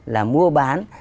là mua bán